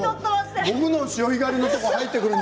僕の潮干狩りのところに入ってくるの。